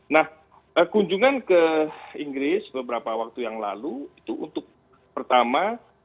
nah kunjungan ke inggris beberapa waktu yang lalu itu untuk pertama